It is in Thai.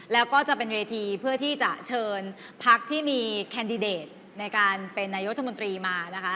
แล้วก็จะเป็นเวทีเพื่อที่จะเชิญพักที่มีแคนดิเดตในการเป็นนายกรัฐมนตรีมานะคะ